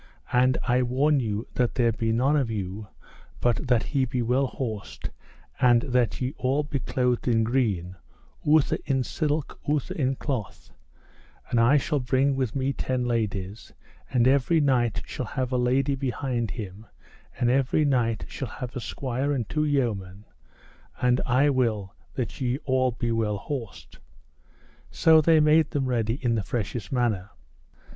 And I warn you that there be none of you but that he be well horsed, and that ye all be clothed in green, outher in silk outher in cloth; and I shall bring with me ten ladies, and every knight shall have a lady behind him, and every knight shall have a squire and two yeomen; and I will that ye all be well horsed. So they made them ready in the freshest manner.